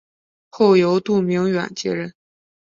后由杜明远接任。